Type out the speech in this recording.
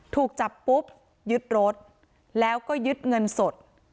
ถูกจับปุ๊บยึดรถแล้วก็ยึดเงินสด